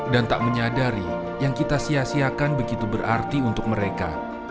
dan tak menyadari yang kita sia siakan begitu berarti untuk mereka